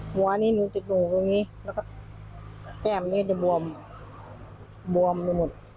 หัวนี้หนูติดอยู่ตรงนี้แล้วก็แก้มนี้จะบวมบวมไปหมด